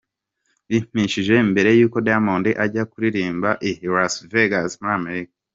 Bipimishije mbere y’uko Diamond ajya kuririmbira i Las Vegas muri Amerika.